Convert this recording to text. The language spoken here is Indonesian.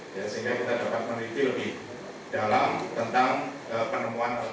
sehingga kita dapat meneliti lebih dalam tentang penemuan